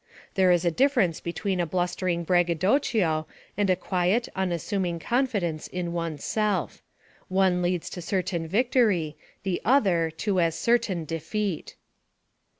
There is a difference between a blustering braggadocio and a quiet, unassuming confidence in one's self. One leads to certain victory, the other, to as certain defeat.